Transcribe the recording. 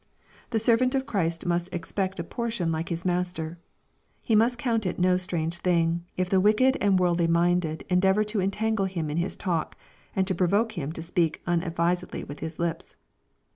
The servant of Christ must expect a portion like his Master. He must count it no strange thing, if the wicked and worldly minded endeavor to *^ entangle him in his talk," and to provoke him to speak unadvisedly with his lips.